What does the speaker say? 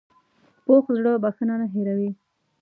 پوخ زړه بښنه نه هېروي